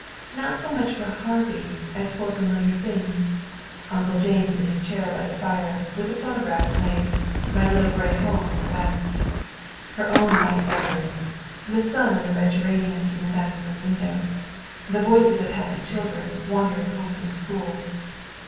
Not so much for Harvey as for familiar things Uncle James in his chair by the fire, with the phonograph playing "My Little Gray Home in the West"; her own white bedroom; the sun on the red geraniums in the dining room window; the voices of happy children wandering home from school.